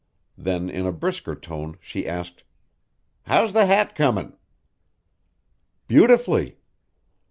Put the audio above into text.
Then in a brisker tone she asked: "How's the hat comin'?" "Beautifully."